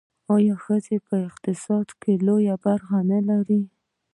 آیا ښځې په اقتصاد کې لویه برخه نلري؟